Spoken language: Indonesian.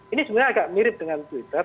ini sebenarnya agak mirip dengan twitter